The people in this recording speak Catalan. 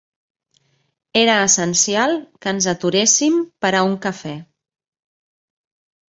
Era essencial que ens aturéssim per a un cafè.